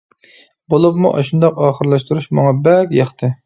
بولۇپمۇ ئاشۇنداق ئاخىرلاشتۇرۇش ماڭا بەك ياقتى.